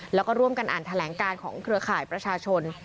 แล้วก็ร่วมกันอ่านแถลงการของเครือข่ายประชาชน